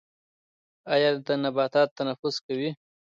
ایا نباتات تنفس کوي؟